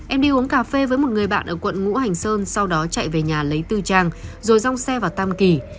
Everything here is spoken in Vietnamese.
em đi uống cà phê với một người bạn ở quận ngũ hành sơn sau đó chạy về nhà lấy tư trang rồi rong xe vào tam kỳ